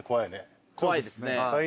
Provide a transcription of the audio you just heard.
怖いっすね。